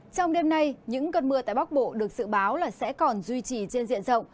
trong đêm nay những cơn mưa tại bắc bộ được dự báo là sẽ còn duy trì trên diện rộng